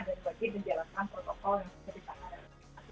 dan bagi penjelasan protokol yang terdekat pada hari ini